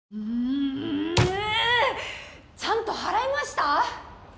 う！ちゃんと払いました？